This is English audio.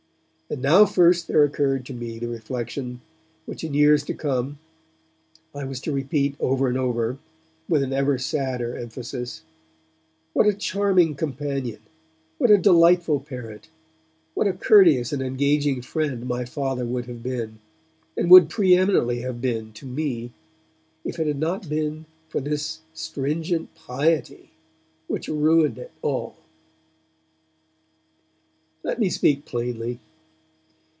And now first there occurred to me the reflection, which in years to come I was to repeat over and over, with an ever sadder emphasis, what a charming companion, what a delightful parent, what a courteous and engaging friend my Father would have been, and would pre eminently have been to me, if it had not been for this stringent piety which ruined it all. Let me speak plainly.